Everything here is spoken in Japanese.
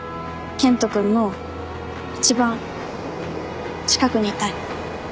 健人君の一番近くにいたい。